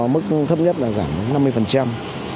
mức thấp nhất là giảm năm mươi